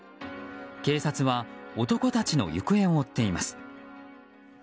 警察は男たちの行方を追っています。